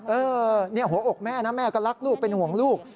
เออนี่หัวอกแม่นะแม่ก็รักลูกเป็นห่วงลูก